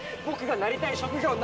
僕がなりたい職業